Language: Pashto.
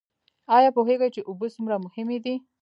ایا پوهیږئ چې اوبه څومره مهمې دي؟